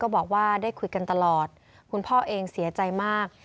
บอกว่าได้คุยกันตลอดคุณพ่อเองเสียใจมาก